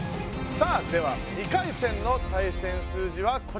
さぁでは２回戦のたい戦数字はこちらです！